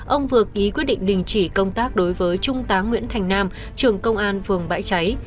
ông vừa ký quyết định đình chỉ công tác đối với trung tá nguyễn thành nam trưởng công an phường bãi cháy